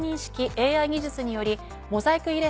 ＡＩ技術によりモザイク入れ